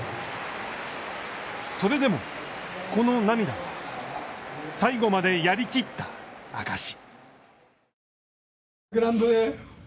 それでも、この涙は、最後までやりきったあかし。